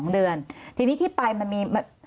๒เดือนทีนี้ที่ไปมันมี